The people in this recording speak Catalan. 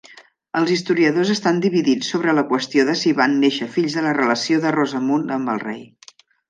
Els historiadors estan dividits sobre la qüestió de si van néixer fills de la relació de Rosamund amb el rei.